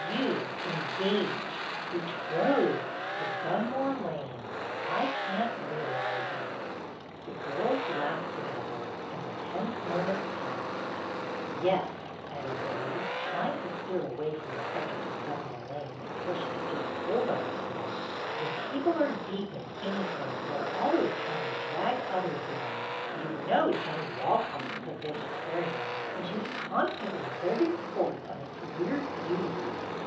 You engaged, betrothed, to Dunmore Lane! I can't realize it." The girls laughed together, and the tense moment passed. 200 BETTY BAIRD'S GOLDEN YEAR ^'Yes/' added Betty, trying to steer away from the subject of Dunmore Lane until she could get a hold on herself, "when people are deep in anything, they are always trying to drag others in. You know Jennie Walcott is a vegetarian, and she 's constantly holding forth on its weird beauties."